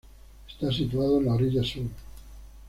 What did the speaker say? Está situado en la orilla sur.